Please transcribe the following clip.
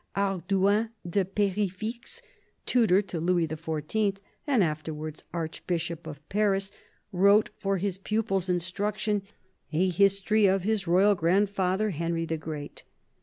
Hardouin de Per6fixe, tutor to Louis XIV. and after wards Archbishop of Paris, wrote for his pupil's instruction a history of his royal grandfather, Henry the Great.